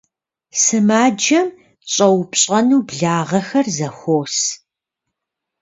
Сымаджэм щӀэупщӀэну благъэхэр зэхуос.